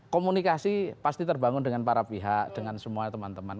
komunikasi pasti terbangun dengan para pihak dengan semua teman teman